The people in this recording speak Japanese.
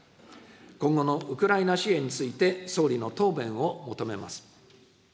今後のウクライナ支援について総理の答弁を求めます。